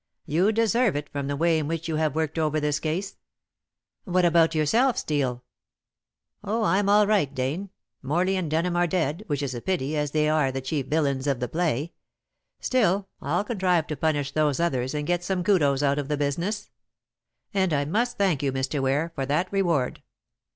You deserve it from the way in which you have worked over this case." "What about yourself, Steel?" "Oh, I'm all right. Dane, Morley, and Denham are dead, which is a pity, as they are the chief villains of the play. Still, I'll contrive to punish those others and get some kudos out of the business. And I must thank you, Mr. Ware, for that reward."